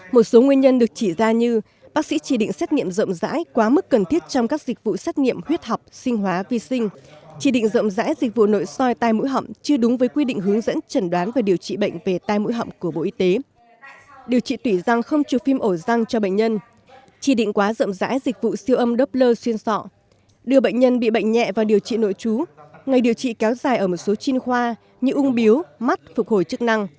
một số nguyên nhân được chỉ ra như bác sĩ chỉ định xét nghiệm rộng rãi quá mức cần thiết trong các dịch vụ xét nghiệm huyết học sinh hóa vi sinh chỉ định rộng rãi dịch vụ nội soi tai mũi họng chưa đúng với quy định hướng dẫn trần đoán và điều trị bệnh về tai mũi họng của bộ y tế điều trị tủy răng không trừ phim ổ răng cho bệnh nhân chỉ định quá rộng rãi dịch vụ siêu âm doppler xuyên sọ đưa bệnh nhân bị bệnh nhẹ vào điều trị nội trú ngày điều trị kéo dài ở một số chinh khoa như ung biếu mắt phục hồi ch